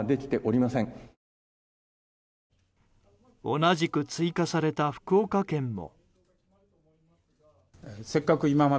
同じく追加された福岡県も。